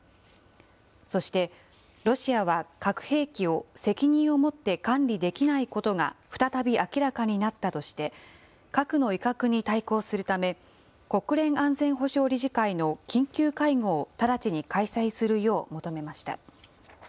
そして、ロシアは核兵器を責任を持って管理できないことが再び明らかになったとして、核の威嚇に対抗するため、国連安全保障理事会の緊急会合を直ちに開催するよう求めました。